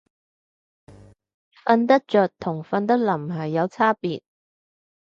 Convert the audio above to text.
瞓得着同瞓得稔係有差別